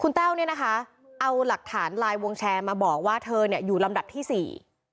แต้วเนี่ยนะคะเอาหลักฐานไลน์วงแชร์มาบอกว่าเธอเนี่ยอยู่ลำดับที่สี่